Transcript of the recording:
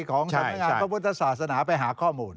ของทางปฏิบัติพระพุทธศาสนาไปหาข้อมูล